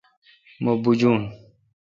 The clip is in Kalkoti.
مہ بوجون۔